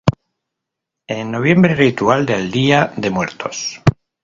En noviembre, ritual del día de muertos.